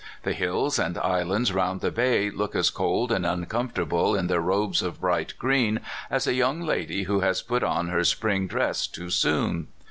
The hills and islands round the bay look as cold and uncomfortable in their robes of bright green as a young lady who has put on her spring dress too soon.